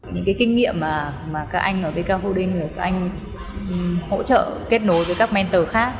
những kinh nghiệm mà các anh ở bk hậu đinh các anh hỗ trợ kết nối với các mentor khác